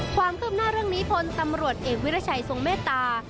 ความคืบหน้าเรื่องนี้พลตำรวจเอกวิรัชัยทรงเมตตา